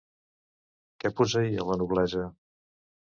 Què posseïa la noblesa?